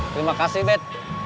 terima kasih bet